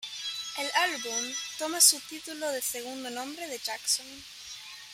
El álbum toma su título de segundo nombre de Jackson.